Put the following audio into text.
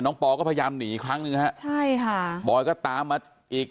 ปอก็พยายามหนีครั้งหนึ่งฮะใช่ค่ะบอยก็ตามมาอีก